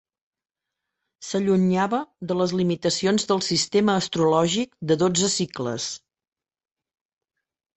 S'allunyava de les limitacions del sistema astrològic de dotze cicles.